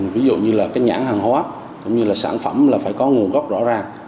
ví dụ như nhãn hàng hóa sản phẩm phải có nguồn gốc rõ ràng